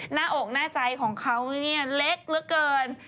หน้าอกหน้าใจของเขาเนี่ยเล็กเหลือเกิน